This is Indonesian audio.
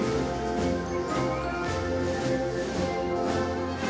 habis di psychological house yang di mirapolur israel mewujudkan krim nosional di pernambochas